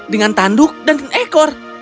dengan tanduk dan ekor